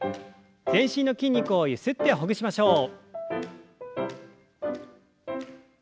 全身の筋肉をゆすってほぐしましょう。